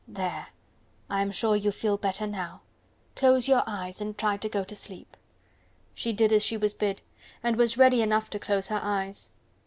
"There! I am sure you feel better now. Close your eyes and try to go to sleep." She did as she was bid, and was ready enough to close her eyes.